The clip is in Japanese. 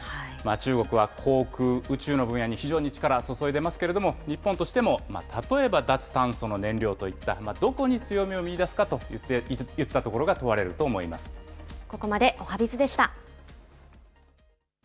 中国は航空・宇宙の分野に非常に力を注いでますけれども、日本としても、例えば脱炭素の燃料といったどこに強みを見いだすかといここまでおはＢｉｚでした。